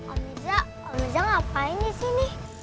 om irza om irza ngapain di sini